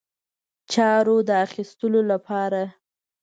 چارو د اخیستلو لپاره.